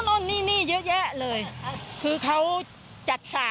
คุณประสิทธิ์ทราบรึเปล่าคะว่า